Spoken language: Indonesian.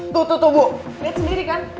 tuh tuh tuh bu liat sendiri kan